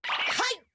はい！